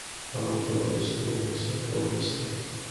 ما ورته وویل چې دلته هېڅوک هم نشته